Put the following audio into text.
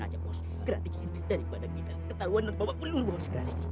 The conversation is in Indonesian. daripada kita ketahuan dari bapak belum bos